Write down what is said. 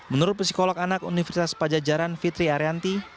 menurut psikolog anak universitas pajajaran fitri arianti